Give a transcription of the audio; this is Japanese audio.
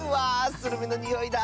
スルメのにおいだ！